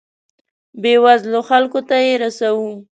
بیوزلو خلکو ته یې رسوو.